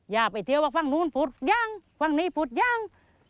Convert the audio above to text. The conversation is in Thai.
อย่าไปเที่ยวว่าข้างโน้นพูดฟูมงข้างนี้พูดฟูมง